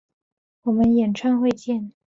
我们演唱会见！